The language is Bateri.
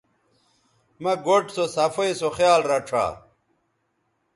مہ گوٹھ سوصفائ سو خیال رڇھا